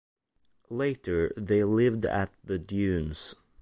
Later they lived at The Dunes.